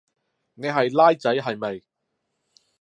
你係孻仔係咪？